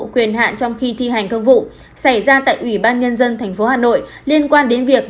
quyền hạn trong khi thi hành công vụ xảy ra tại ubnd tp hà nội liên quan đến việc